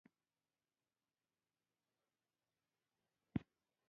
له نظامونو سره په تېرو سلو کلونو کې سپک چلن شوی.